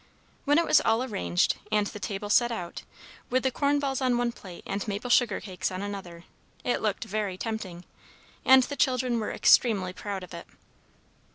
When it was all arranged, and the table set out, with the corn balls on one plate and maple sugar cakes on another, it looked very tempting, and the children were extremely proud of it.